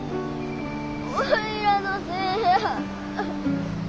おいらのせいや。